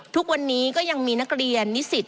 ทุกวันนี้ก็ยังมีนักเรียนนิสิต